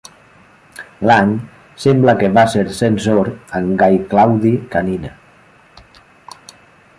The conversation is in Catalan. L'any sembla que va ser censor amb Gai Claudi Canina.